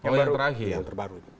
oh yang terakhir